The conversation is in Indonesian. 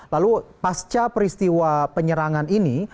lalu pasca peristiwa penyerangan ini